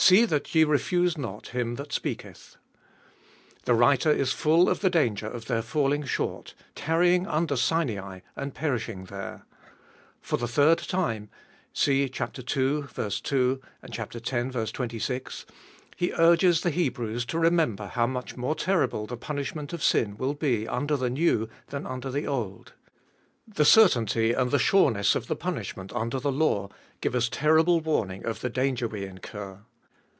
See that ye refuse not Him that speaketh. The writer is full of the danger of their falling short, tarrying under Sinai, and perishing there. For the third time (see ii. 2 ; x. 26) he urges the Hebrews to remember how much more terrible the punish ment of sin will be under the New than under the Old. The certainty and the sureness of the punishment under the law give us terrible warning of the danger we incur.